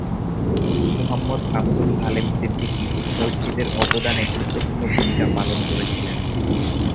মুহাম্মদ আবদুল আলেম সিদ্দিকী মসজিদের অবদানে গুরুত্বপূর্ণ ভূমিকা পালন করেছিলেন।